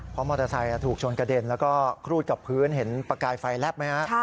เพราะมอเตอร์ไซค์ถูกชนกระเด็นแล้วก็ครูดกับพื้นเห็นประกายไฟแลบไหมฮะ